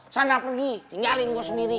sana pergi tinggalin gue sendiri